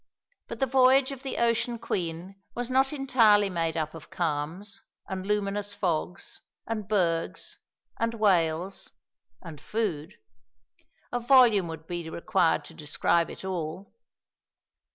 But the voyage of the Ocean Queen was not entirely made up of calms, and luminous fogs, and bergs, and whales, and food. A volume would be required to describe it all.